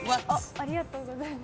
ありがとうございます。